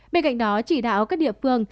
bên cạnh đó chỉ đạo các địa phương